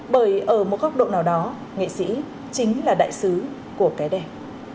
bởi ở một góc độ nào đó nghệ sĩ chính là đại sứ của cái đẹp